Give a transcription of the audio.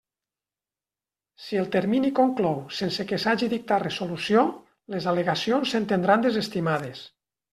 Si el termini conclou sense que s'hagi dictat resolució, les al·legacions s'entendran desestimades.